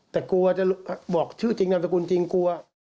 แต่กลัวจะบอกชื่อจริงนามสกุลจริงกลัว